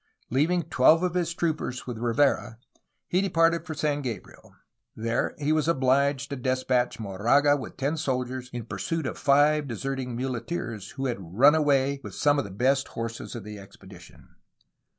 Leaving twelve of his troopers with Rivera, he de parted for San Gabriel. There he was obliged to despatch Moraga with ten soldiers in pursuit of five deserting mule teers, who had run away with some of the best horses of the expedition.